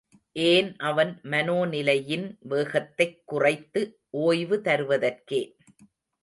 ஏன் அவன் மனோநிலையின் வேகத்தைக் குறைத்து ஓய்வு தருவதற்கே.